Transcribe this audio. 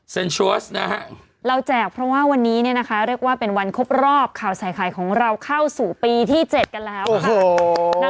เราแจกเพราะว่าวันนี้เนี่ยนะคะเรียกว่าเป็นวันครบรอบข่าวใส่ไข่ของเราเข้าสู่ปีที่๗กันแล้วค่ะ